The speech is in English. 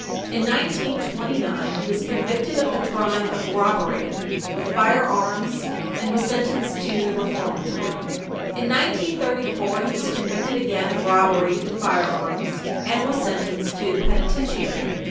In 1929 he was convicted of the crime of robbery with firearms, and was sentenced to the reformatory. In 1934, he was convicted again of robbery with firearms, and was sentenced to the penitentiary.